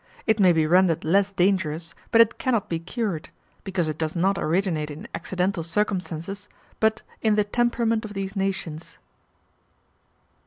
It may be rendered less dangerous, but it cannot be cured; because it does not originate in accidental circumstances, but in the temperament of these nations.